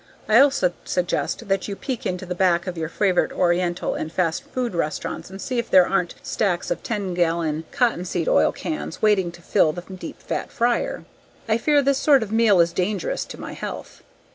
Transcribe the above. I also suggest that you peek into the back of your favorite Oriental and fast food restaurants and see if there aren't stacks of ten gallon cottonseed oil cans waiting to fill the deep fat fryer. I fear this sort of meal as dangerous to my health.